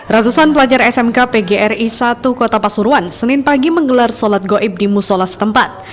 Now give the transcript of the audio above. ratusan pelajar smk pgri satu kota pasuruan senin pagi menggelar sholat goib di musola setempat